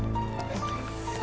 kamu sudah sampai di sana ya